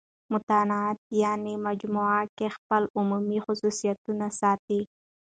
متانت یعني مجموع کښي خپل عمومي خصوصیتونه ساتي.